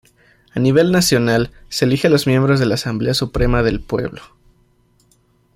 A nivel nacional, se elige a los miembros de la Asamblea Suprema del Pueblo.